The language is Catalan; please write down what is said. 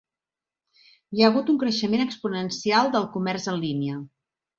Hi ha hagut un creixement exponencial del comerç en línia.